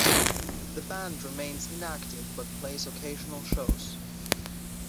The band remains inactive, but plays occasional shows.